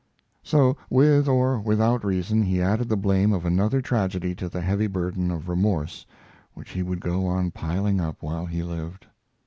So, with or without reason, he added the blame of another tragedy to the heavy burden of remorse which he would go on piling up while he lived.